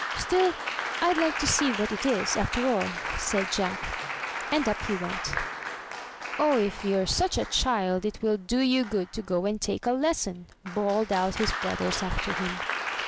*' ''Still, rd like to see what it is, after all," said Jack; and up he went. ''Oh, if you're such a child, 'twill do you good to go and take a lesson," bawled out his brothers after him.